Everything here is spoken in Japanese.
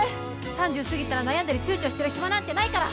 ３０過ぎたら悩んだりちゅうちょしてる暇なんてないから！